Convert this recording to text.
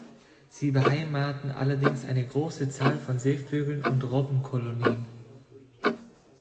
Sie beheimaten allerdings eine große Zahl von Seevögeln und Robben-Kolonien.